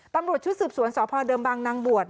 ตำรวจชุดสืบสวนสพเดิมบางนางบวช